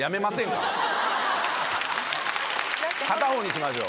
片方にしましょう。